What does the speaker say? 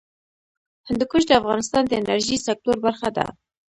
هندوکش د افغانستان د انرژۍ سکتور برخه ده.